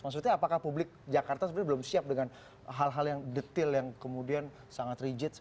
maksudnya apakah publik jakarta sebenarnya belum siap dengan hal hal yang detail yang kemudian sangat rigid